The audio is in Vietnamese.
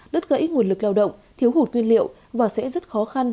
đất gãy nguồn lực lao động thiếu hụt nguyên liệu và sẽ rất khó khăn